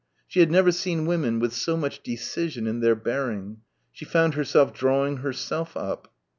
She had never seen women with so much decision in their bearing. She found herself drawing herself up.